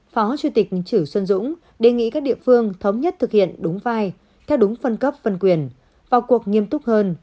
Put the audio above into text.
phó chủ tịch chử xuân dũng đề nghị các địa phương thống nhất thực hiện đúng vai theo đúng phân cấp phân quyền vào cuộc nghiêm túc hơn